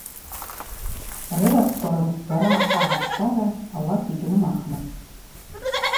Рырахвква рынкъвгара ахӏа гӏапсара ауат йыгьрымахмызтӏ.